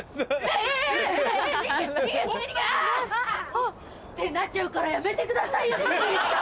あぁ！ってなっちゃうからやめてくださいよエブリンさん！